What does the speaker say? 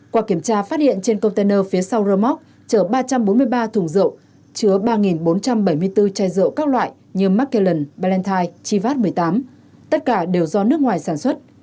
qua kiểm tra phát hiện trên container phía sau rơ móc chở ba trăm bốn mươi ba thùng rượu chứa ba bốn trăm bảy mươi bốn chai rượu các loại như mccale plantine chivat một mươi tám tất cả đều do nước ngoài sản xuất